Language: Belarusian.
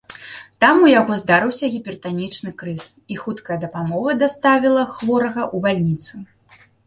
Там у яго здарыўся гіпертанічны крыз, і хуткая дапамога даставіла хворага ў бальніцу.